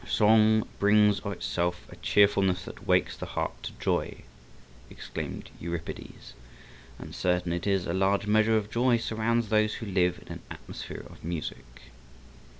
"Song brings of itself a cheerfulness that wakes the heart to joy," exclaimed Euripides, and certain it is a large measure of joy surrounds those who live in an atmosphere of music.